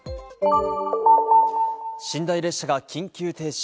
寝台列車が緊急停止。